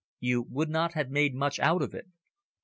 You would not have made much out of it."